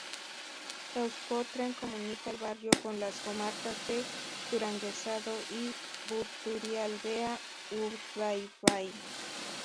Euskotren comunica el barrio con las comarcas del Duranguesado y Busturialdea-Urdaibai.